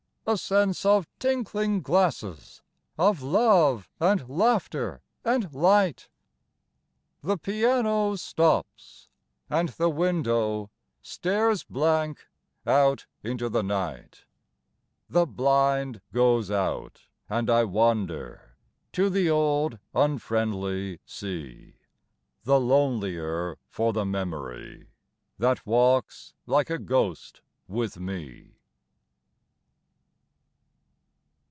. A sense of tinkling glasses, Of love and laughter and light The piano stops, and the window Stares blank out into the night. The blind goes out, and I wander To the old, unfriendly sea, The lonelier for the memory That walks like a ghost with me.